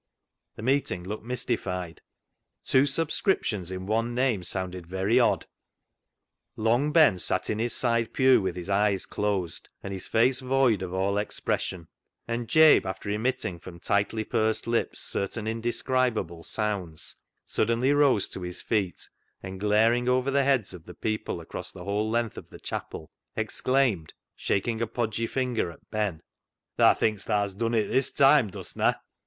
The meeting looked mystified. Two sub 21 322 CLOG SHOP CHRONICLES scriptions in one name sounded very odd. Long Ben sat in his side pew with his eyes closed, and his face void of all expression, and Jabe, after emitting from tightly pursed lips certain indescribable sounds, suddenly rose to his feet, and glaring over the heads of the people, across the whole length of the chapel, exclaimed, shaking a podgy finger at Ben —" Thaa thinks thaa's dun it this toime, dust na?